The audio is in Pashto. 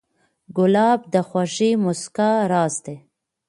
ګلاب د خوږې موسکا راز دی.